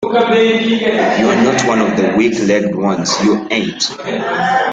You're not one of the weak-legged ones, you ain't.